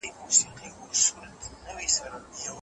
ماشومان به له زیانه وژغورل شي.